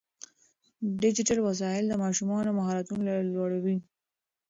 ډیجیټل وسایل د ماشومانو مهارتونه لوړوي.